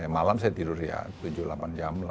malam saya tidur ya tujuh delapan jam lah